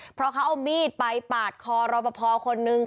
เพราะเขาเอามีดไปปาดคอรอปภคนนึง